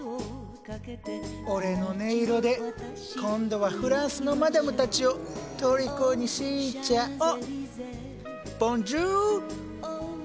俺の音色で今度はフランスのマダムたちをとりこにしちゃお。